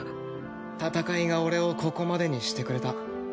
戦いが俺をここまでにしてくれた。